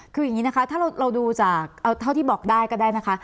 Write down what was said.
คืออย่างนี้นะคะถ้าเราดูจากเอาเท่าที่บอกได้ก็ได้นะคะ